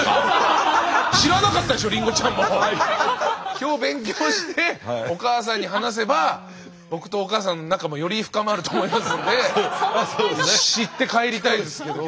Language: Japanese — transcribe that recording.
今日勉強してお母さんに話せば僕とお母さんの仲もより深まると思いますので知って帰りたいですけど。